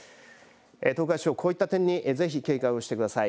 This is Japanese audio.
東海地方こういった点にぜひ警戒をしてください。